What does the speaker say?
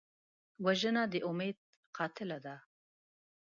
وژنه د امید قاتله ده